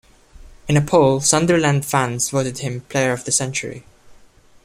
In a poll Sunderland fans voted him player of the century.